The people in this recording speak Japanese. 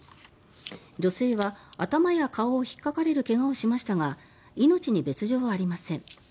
女性は頭や顔を引っかかれる怪我をしましたが命に別条はありません。